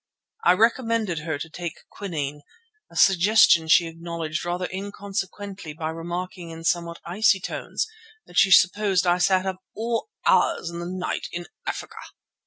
I recommended her to take quinine, a suggestion she acknowledged rather inconsequently by remarking in somewhat icy tones that she supposed I sat up to all hours of the night in Africa.